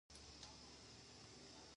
دا ورزشونه نارينه هم کولے شي -